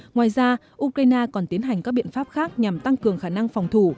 ngoài ra ukraine còn tiến hành các biện pháp khác nhằm tăng cường khả năng phòng thủ